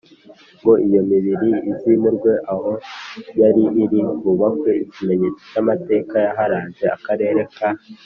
ngo iyo mibiri izimurwe aho yari iri hubakwe Ikimenyetso cy amateka yaharanze Akarere ka